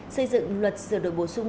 xây dựng luật sửa đổi bổ sung